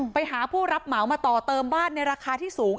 ไปหาผู้รับเหมามาต่อเติมบ้านในราคาที่สูง